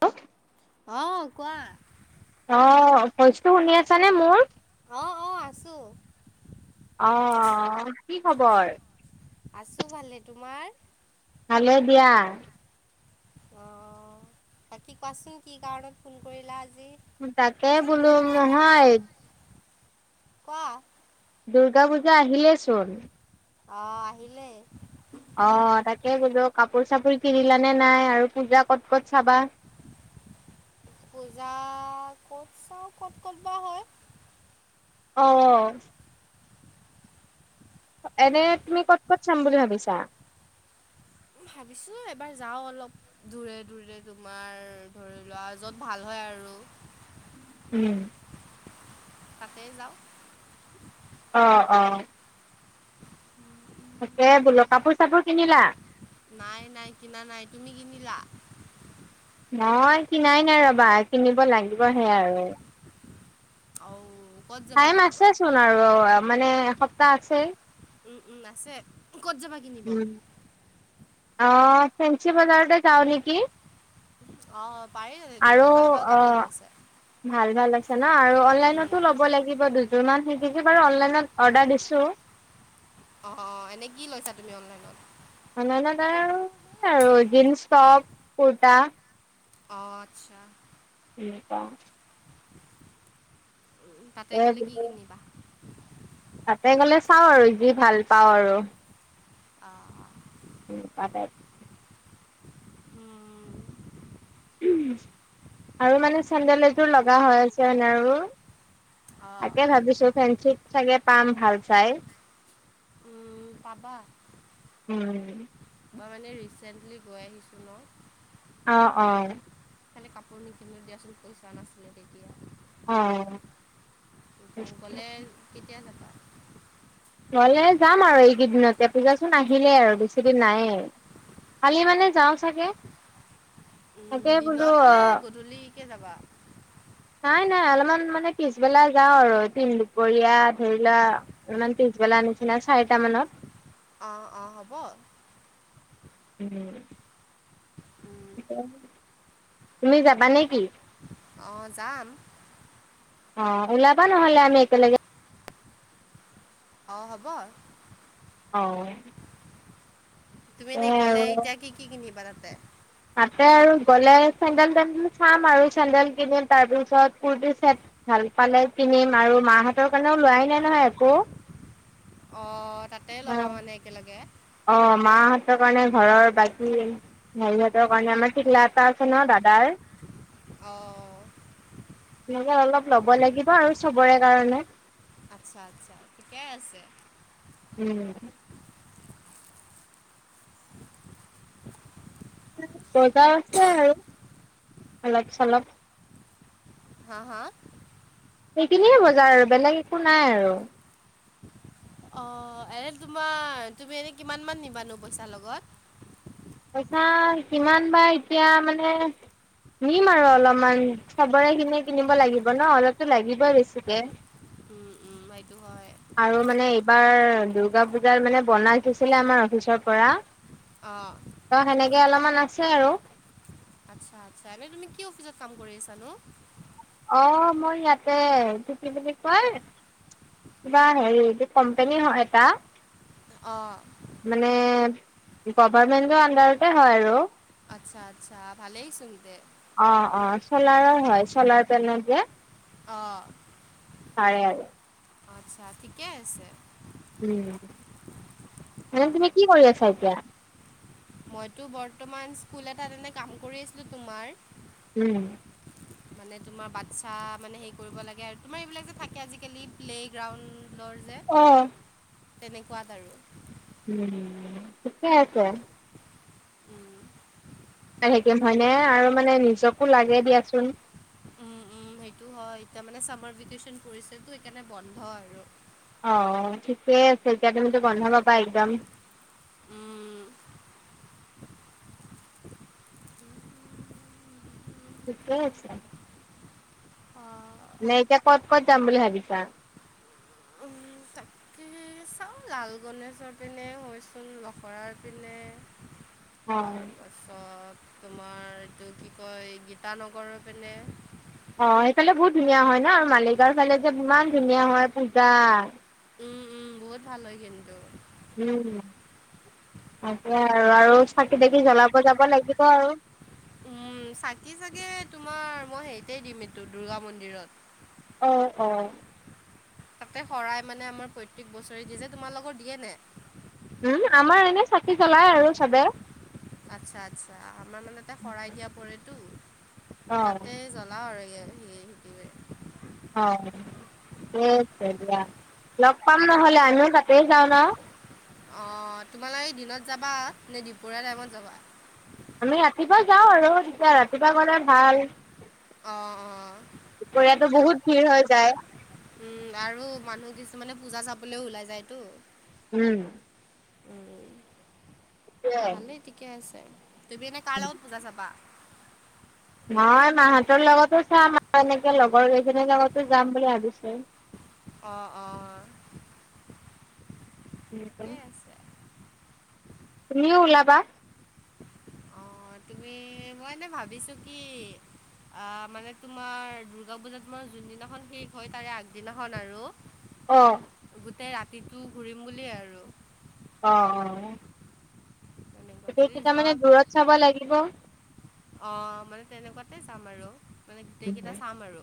হেল'। অ' কোৱা? অ' ভইচটো শুনি আছানে মোৰ? অ', অ' আছোঁ। অ কি খবৰ? আছোঁ ভালেই। তোমাৰ? ভালে দিয়া। অ' বাকী কোৱাচোন কি কাৰণত ফোন কৰিলা আ তাকে বুলো নহয়। ক'? দুৰ্গা পূজা আহিলেচোন। অ' আহিলে। অ' তাকে বোলো কাপোৰ চাপোৰ কিনিলানে নাই আৰু পূজা ক'ত ক'ত চাবা। পূজা ক'ত চাওঁ, ক'ত ক'ত বা হয়। অ'। এনে তুমি ক'ত ক'ত চাম বুলি ভাবিছা? ভাবিছোঁ এবাৰ যাও অলপ দূৰে দূৰে, তোমাৰ ধৰি লোৱা য'ত ভাল হয়। আৰু উম। তাতে যাও। অ', অ'। তাকে বোল, কাপোৰ, চাপোৰ কিনিলা? নাই, নাই কিনা নাই, তুমি কিনিলা? মই কিনাই নাই ৰ'বা, কিনিব লাগিবহে আৰু। অঔ। টাইম আছেচোন আৰু মানে এসপ্তাহ আছেই। উম, উম, আছে ক'ত যাবা কিনিব? অ, ফেঞ্চি বজাৰতে যও নে কি। অ, পাৰি তোমাৰ ভাল, ভাল কাপোৰ অ', ওলাইছে। ভাল, ভাল আছে ন, আৰু উম, অনলাইনতো ল'ব লাগিব দুযোৰ মান সি বাৰু অনলাইনত অৰ্ডাৰ দিছো। চো অ', অ', এনে কি লৈছা তুমি অনলাইনত? অনলাইনত আৰু আৰু জিন্স, টপ, কুৰ্তা অ, আচ্ছা। [inaudible] উ, তাতে এই গ'লে কি বোলো কিনিবা? তাতে গ'লে চাওঁ আৰু যি ভাল পাওঁ অ', অ'। উম [unintelligible] হম। আৰু মানে চেন্দেল এযোৰ লগা হৈ আছে নে, আৰু। অঁ তাকে ভাবিছো ফ্ৰেণশ্বিত চাগে পাম ভাল চাই। উম, পাবা উম। মই মানে ৰিচেণ্টলি গৈ আহিছোঁ ন। অ', অ'। কাপোৰ নিকিনিলো দিয়াচোন পইচা নাছিলে তেতিয়া। অ'। এতিয়া গ'লে কেতিয়া যাবা নহলে যাম আৰু এইকেইদিনতে পূজাচোন আহিলে আৰু বেছিদিন নাইয়ে। কালি মানে যাওঁ চাগে, তাকে বোলো আহ কেতিয়া, যাবা? নাই, নাই অলপমান মানে পিছবেলা যাওঁ আৰু তিন, দুপৰীয়া ধৰি লোৱা অলমান পিছবেলা। নিচিনা, চাৰিটা মানত। অ', অ', হ'ব। উম। উম, তুমি যাবা নে, কি? অহ, যাম। অ, ওলাবা নহলে আমি একেলগে অ, হ'ব। অ'। তুমি এনেই সেয়াই গ'লে আৰু এতিয়া কি, কি কিনিবা তাতে? তাতে আৰু গ'লে চেণ্ডেল, তেণ্ডেল চাম আৰু চেণ্ডেল কিনিম তাৰ পিছত কুৰ্তি চেট ভাল পালে কিনিম আৰু মাহঁতৰ কাৰণেও লোৱাই নাই নহয়, একো। অ, তাতে ল'বা মানে একেলগে। অ, মাহঁতৰ কাৰণে ঘৰৰ বাকী হেৰিহঁতৰ কাৰণে আমাৰ টিকলা এটা আছে ন, দাঁত দাই অ'। তেনে অলপ ল'ব লাগিব আৰু চবৰে কাৰণে। আচ্ছা, আচ্ছা, ঠিকেই আছে। উম। বজাৰ আছে আৰু অলপ চলপ। হা, হা? সেইখিনিয়ে বজাৰ আৰু বেলেগ একো নাই আৰু। অ', এনে তোমাৰ তুমি এনে কিমান মান নিবানো পইচা লগত? পইচা কিমান বা এতিয়া মানে নিম আৰু অলমান চবৰেখিনি কিনিব লাগিব ন' অলপটো লাগিবই বেছিকে। উম, উম, সেইটো হয় আৰু মানে এইবাৰ দুৰ্গা পূজাৰ মানে বনাই থৈছিলে আমাৰ অফিচৰ পৰা। অ'। ত' সেনেকে অলমান আছে আৰু। আচ্ছা আচ্ছা এনে তুমি কি অফিচত কাম কৰি আছানো? অ', মই ইয়াতে এইটো বুলি কয় কিবা হেৰি যে কম্পেনী হয় এটা। অঁ মানে গভাৰমেন্টৰ আন্দাৰতে হয় আৰু। আচ্ছা আচ্ছা ভালেই চুন তে। অ', অ', চলাৰৰ হয় চলাৰ প্লেনেত যে। অ'। তাৰে আৰু আচ্ছা ঠিকে আছে। উম, মানে তুমি অঁ কি কৰি আছা এতিয়া? মইতো বৰ্তমান স্কুল এটাত এনে কাম কৰি আছিলোঁ তোমাৰ। উম। মানে তোমাৰ বাচ্ছা মানে হে কৰিব লাগে আৰু তোমাৰ এইবিলাক যে থাকে আজিকালি প্লেগ্ৰাউণ্ড দৌৰ যে অ'। তেনেকুৱাত আৰু। উম, ঠিকে আছে। উম, [inaudible] সেই গেম হয়নে আৰু মানে নিজকো লাগে দিয়াচোন। টো হয় এতিয়া মানে চামাৰ ভেকেচন পৰিছেটো সেইকাণে বন্ধ আৰু। অ', ঠিকে আছে। এতিয়া তুমিটো বন্ধ পাবা একদম? উম। ঠিকে আছে। অ', নে এতিয়া কত ক'ত যাম বুলি ভাবিছা? উম, তাকে চাওঁ লাল গণেশৰ পিনে হৈ চোন লখৰাৰ পিনে। অ'। তাৰপাছত তোমাৰ এইটো কি কয় ইটা নগৰৰ পিনে। অ', সেইফালে বহুত ধুনীয়া হয় ন'। আৰু মালিগাঁওৰ ফালে যে ইমান ধুনীয়া হয় পূজা। উম, উম, বহুত ভাল হয় কিন্তু। উম, উম। তাকে আৰু, আৰু চাকি তাকি জ্বলাব যাব লাগিব আৰু। উম, চাকি চাগে তোমাৰ মই হেৰিতে দিম এইটো দুৰ্গা মন্দিৰত। অ', অ'। তাতে শৰাই মানে আমাৰ প্ৰত্যেক বছৰে দিয়ে যে। তোমালোকৰ দিয়ে নে? উম, আমাৰ এনে চাকি জ্বলাই আৰু চবে। আচ্ছা আচ্ছা আমাৰ মানেটা শৰাই দিয়া পৰেতো। অ', তাতে জ্বলাও আৰু ইয়ে অ'। দে তেতিয়া, লগ পাম নহ'লে আমিও তাতে যাওঁ ন'। অ', তোমালোকে দিনত যাবা? নে দিপৰীয়া টাইমত যাবা? এ, ৰাতিপুৱা যাওঁ আৰু তেতিয়া ৰাতিপুৱা গ'লে ভাল। অ', অ'। ত' বহুত ভিৰ হৈ যায়। উম আৰু মানুহ কিছুমানে পূজা চাবলেও ওলাই যায়তো উম [inaudible] সেইটোৱে ভালেই ঠিকে আছে তুমি এনে কাৰ লগত পূজা চাবা মই মাহতৰ লগত চাম আৰু এনেকে লগৰ কেইজনীৰ লগতো যাম বুলি ভাবিছো অ অ [unintelligible] আছে [unintelligible] তুমিও ওলাবা এ মই টো ভাবিছো কি আহ মানে তোমাৰ দুৰ্গা পূজাত জোনদিনাখন শেষ হয় তাৰে আগদিনাখন আৰু অ তাতে ৰাতিটো ঘূৰিম বুলিয়েই আৰু অ অ তেনেকুৱা গোটেই যদি কেইটা মানে দূৰত চাব লাগিব অ মানে তেনেকুৱাতে যাম আৰু মানে গোটেই কেইটা চাম আৰু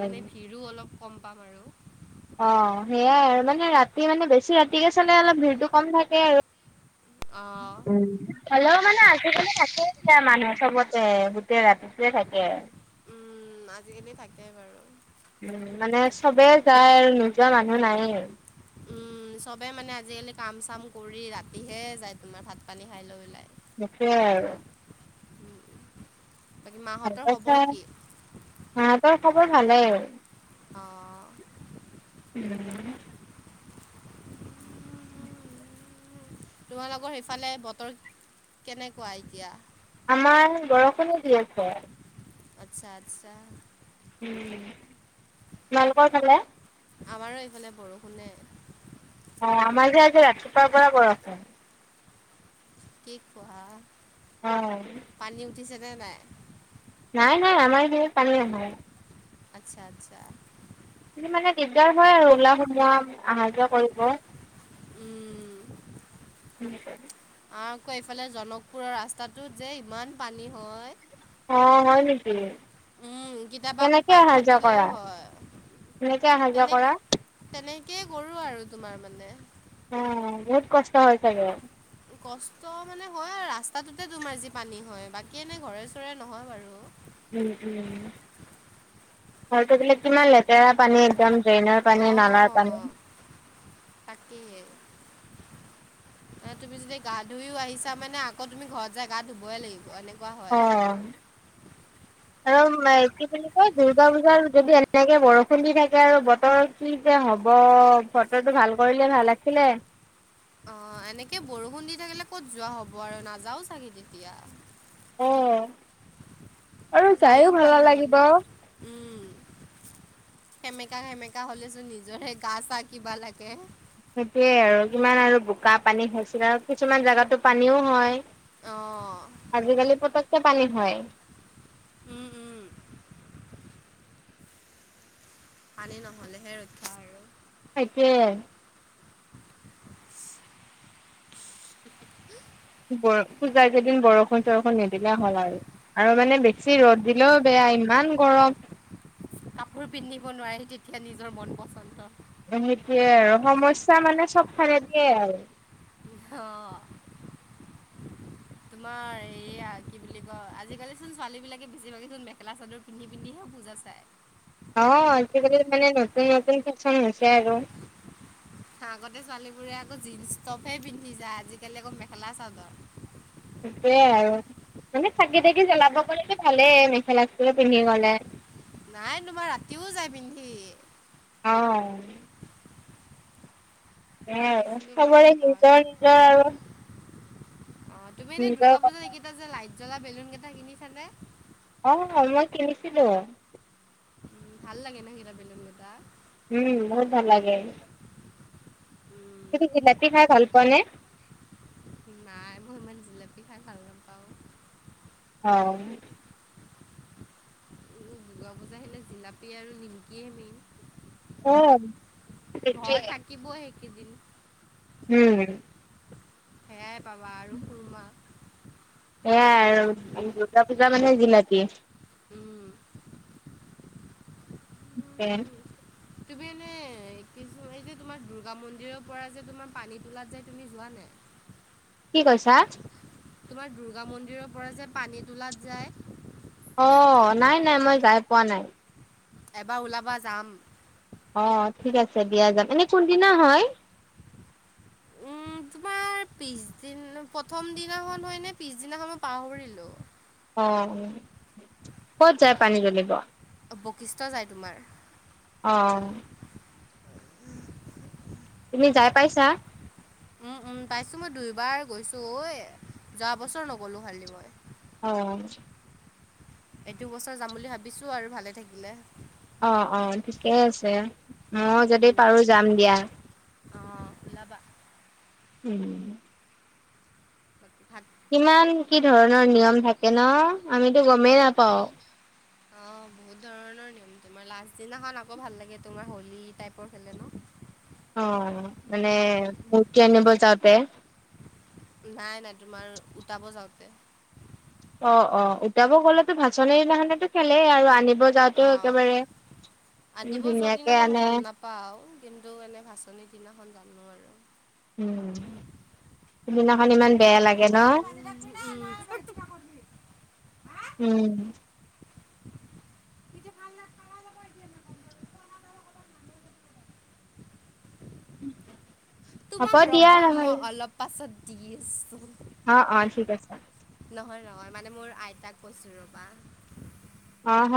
মানে ভিৰো অলপ কম পাম আৰু অ হেয়াই আৰু মানে ৰাতি মানে বেছি ৰাতিকে চালে অলপ ভিৰটো কম থাকে আৰু অ উম হ'লেও মানে আজিকালি থাকে এতিয়া মানুহ সবতে গোটেই ৰাতিটোৱে থাকে উম, আজিকালি থাকে বাৰু উম মানে সবে যায় আৰু নোযোৱা মানুহ নাইয়ে উম সবে মানে আজিকালি কাম-চাম কৰি ৰাতিহে যায় তোমাৰ ভাত-পানী খাই লৈ পেলাই হেয়াই আৰু বাকী মাহঁতৰ খবৰ কি তাৰ খবৰ ভালেই আৰু অ [inaudible] তোমালোকৰ সেইফালে বতৰ কেনেকুৱা এতিয়া আমাৰ বৰষুণে দি আছে আচ্ছা আচ্ছা তোমালোকৰ ফালে আমাৰো এইফালে বৰষুণে অ আমাৰ যে আজি ৰাতিপুৱাৰ পৰা বৰষুণ কি কোৱা অ নাই নাই নাই নাই আমাৰ পানী নাই আচ্ছা আচ্ছা মানে দিগদাৰ হয় আৰু ওলাৱা সোমোৱা অহা যোৱা কৰিব উম উম আৰু আকৌ এইফালে জনকপুৰৰ ৰাস্তাটোত যে ইমান পানী হয় অ হয় নেকি উম কেতিয়াবা আকৌ কেনেকে পাইপ অহা যোৱা ফাটিলেও কৰা হয় কেনেকে অহা যোৱা তেনে কৰা? তেনেকেই কৰো আৰু তোমাৰ মানে উ বহুত কষ্ট হৈ চাগে কষ্ট মানে হয় আৰু ৰাস্তাটোতে তোমাৰ যি পানী হয় বাকী এনেই ঘৰে চৰে নহয় বাৰু আৰুটো বলে কিমান লেতেৰা পানী একদম ড্ৰেইনৰ পানী নালাৰ পানী অঁ তাকেই এ, তুমি যদি ধুইও আহিছা মানে আকৌ তুমি ঘৰত যাই গা ধুবই লাগিব এনেক অ আৰু কি বুলি কয়, দূৰ্গা পুজাৰ যদি এনেকে বৰষুণ দি থাকে আৰু বতৰ কি যে হ'ব বতৰটো ভাল কৰিলে ভাল আছিলে। অ' এনেকে বৰষুণ দি থাকিলে ক'ত যোৱা হ'ব আৰু নাযাও চাগে তেতিয়া। অ'। যায়ও ভাল নালাগিব। উম। সেমেকা সেমেকা হ'লে চোন নিজৰে গা চা কিবা লাগে। সেইটোয়ে আৰু। কিমান আৰু বোকা পানী হৈছিল আৰু কিছুমান জাগাতো পানীও হয়। অ'। আজিকালি পটককে পানী হয়। উম উম হ'লেহে ৰক্ষা আৰু। তাকেহে। বৰ-পূজা কেইদিন বৰষুণ চৰষুণ নিদিলে হ'ল আৰু মানে বেছি ৰ'দ দিলেও বেয়া। য়া ইমান গৰম। কাপোৰ পিন্ধিব নোৱাৰি তেতিয়া নিজৰ মন পচন্দৰ। সেইটোয়ে আৰু সমস্যা মানে চবফালে দিয়ে আৰু। অ'। তোমাৰ এইয়া কি বুলি কয় আজিকালিচোন ছোৱালীবিলাকে বেছি ভাগে মেখালা চাদৰ পিন্ধি পিন্ধিহে পূজা চাই। অ' আজিকালি মানে নতুন নতুন ফেচন হৈছে আৰু। আগতে ছোৱালীবোৰে আকৌ জীন্স টপহে পিন্ধি যায়। আজিকালি আকৌ মেখেলা চাদৰ। সেয়াই আৰু মানে চাকি তাকি জ্বলাব গ'লেতো ভালেই, মেখেলা চাদৰ পিন্ধি গলে। নাই তোমাৰ ৰাতিও যাই পিন্ধি। অ'। এয়া আৰু, দেখিছিলোঁ মানে ছবৰে নিজৰ সেইকাৰণে নিজৰ আৰু অঁ তুমি এনে দুৰ্গা নিজৰ পুজা কথা এইকেইটা যে লাইট জ্বলা বেলুন কেইটা কিনিচানে? হয় হয় মই কিনিছিলোঁ। উম, ভাল লাগে ন' হেই বেলুনকিটা? উম, বহুত ভাল লাগে। উম, তুমি জিলাপী খাই ভাল পোৱানে? জিলাপী খাই ভাল নাপাওঁ। হয়। দূৰ্গা পূজা আহিলে জিলাপি আৰু নিমকিয়ে মেইন। ক'ত? ঘৰত থাকিবই সেইকেইদিন। উম। সেয়াই পাবা আৰু সুৰমা। এয়াই আৰু দুৰ্গা পূজা মানে জিলাপী। উম, তাকে। তুমি এনে কি এই যে তোমাৰ দুৰ্গা মন্দিৰৰপৰা যে তোমাৰ পানী তোলাত যাই তুমি যোৱা নাই? [inaudible] কি, কৈছা? তোমাৰ দুৰ্গা মন্দিৰৰপৰা যে পানী তোলাত যায়। অ' নাই নাই, মই যাই পোৱা নাই। এবাৰ ওলাবা যাম। অ' ঠিক আছে দিয়া যাম। এনে কোনদিনা হয়? তাৰ পিছদিন প্ৰথম দিনাখন হয় নে পিছদিনাখন হয় মই পাহৰিলোঁ। অ' ক'ত যায় পানী জ্বলিব? বকিষ্ট যায় তোমাৰ। অ'। তুমি যাই পাইছা? উম, উম, পাইছোঁ মই দুইবাৰ গৈছোঁ। এ, যোৱাবছৰ নগলোঁ খালি মই। অ'। এইটো বছৰ যাম বুলি ভাবিছো, আৰু ভালে থাকিলে। অ', অ', ঠিকেই আছে, মই যদি পাৰো, যাম দিয়া। ওলবা। উম। বাকী ভাত কিমান, কি ধৰণৰ নিয়ম থাকে ন, আমিতো গমেই নাপাওঁ। [inaudible] তমাৰ লাষ্ট দিনাখন আকৌ ভাল লাগে, তোমাৰ হ'লী টাইপৰ খেলে ন। অ, মানে, মূৰ্তি আনিব যাওঁতে। নাই, নাই, তোমাৰ, উটাব যাওঁতে। অ', অ', উতাব গলেতো ভাচনিৰ দিনাখোনো খেলেই, আৰু আনিব যাওঁতেও অঁ একেবাৰে আনিব যোৱা ধুনীয়াকে দিনাখন আনে গম নাপাও, কিন্তু মানে, ভাচনিৰ দিনাখন জানো আৰু। উম, সিদিনাখন ইমান বেয়া লা [inaudible] উম। [inaudible] তোমাক ৰ'বা মই নহ'লে অলপ পাছত দি আছো। অ', অ', ঠিক আছে। নহয়, নহয়, মানে মোৰ আইতাক কৈছোঁ ৰ'বা। অ হ'ব